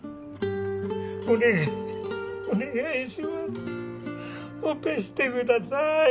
オペしてください。